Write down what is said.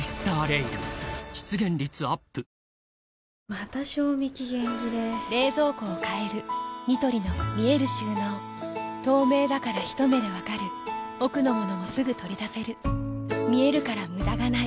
また賞味期限切れ冷蔵庫を変えるニトリの見える収納透明だからひと目で分かる奥の物もすぐ取り出せる見えるから無駄がないよし。